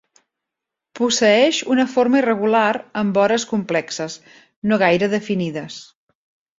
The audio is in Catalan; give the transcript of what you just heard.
Posseeix una forma irregular amb vores complexes, no gaire definides.